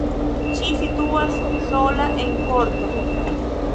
Ĝi situas sola en korto.